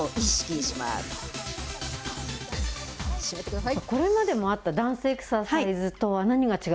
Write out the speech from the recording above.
しめてください。